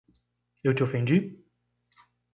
Eu te ofendi?